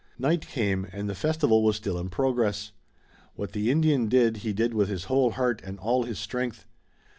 Night came, and the festival was still in progress. What the Indian did he did with his whole heart, and all his strength.